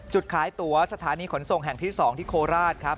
จุดขายตัวสถานีขนส่งแห่งที่๒ที่โคราชครับ